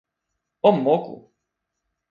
o moku!